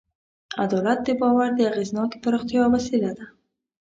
عدالت د باور د اغېزناکې پراختیا وسیله ده.